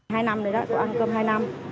hai năm rồi đó cô ăn cơm hai năm